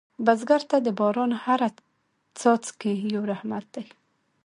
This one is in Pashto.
بزګر ته د باران هره څاڅکې یو رحمت دی